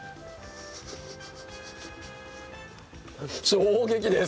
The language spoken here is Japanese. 衝撃です。